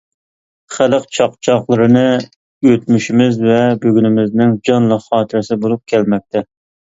خەلق چاقچاقلىرىنى ئۆتمۈشىمىز ۋە بۈگۈنىمىزنىڭ جانلىق خاتىرىسى بولۇپ كەلمەكتە.